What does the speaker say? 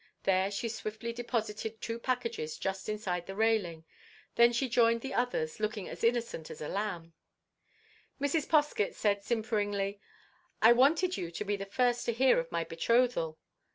There she swiftly deposited two packages just inside the railing. Then she joined the others, looking as innocent as a lamb. Mrs. Poskett said simperingly, "I wanted you to be the first to hear of my betrothal."